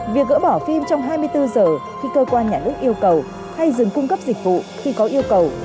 việc gỡ bỏ phim trong hai mươi bốn giờ khi cơ quan nhà nước yêu cầu hay dừng cung cấp dịch vụ khi có yêu cầu